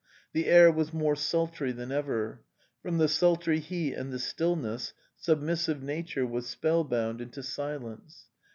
The air was more sultry than ever; from the sultry heat and the stillness submissive nature was spellbound into silence.